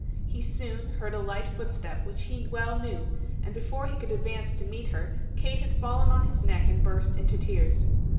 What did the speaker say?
He soon heard a light footstep which he well knew, and before he could advance to meet her, Kate had fallen on his neck and burst into tears.